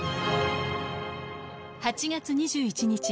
８月２１日。